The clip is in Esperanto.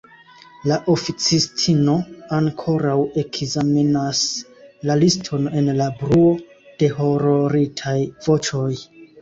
La oficistino ankoraŭ ekzamenas la liston en la bruo de hororitaj voĉoj.